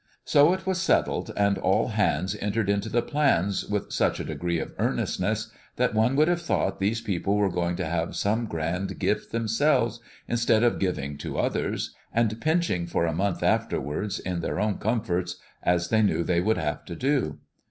So it was settled and all hands entered into the plan with such a degree of earnestness that one would have thought these people were going to have some grand gift themselves, instead of giving to others, and pinching for a month afterwards, in their own comforts, as they knew they would have to do.